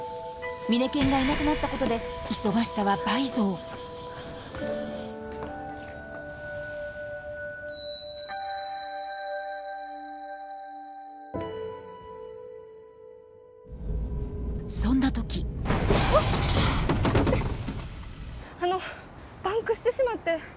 ミネケンがいなくなったことで忙しさは倍増そんな時あのパンクしてしまって。